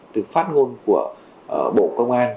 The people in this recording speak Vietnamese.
từ phát ngôn của bộ công an